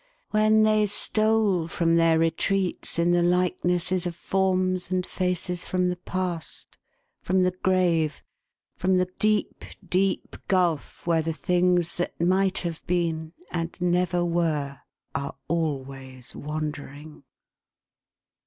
When they stole from their retreats, in the likenesses of forms and faces from the past, from the grave, from the deep, deep gulf, where the things that might have been, and never were, are always wandering.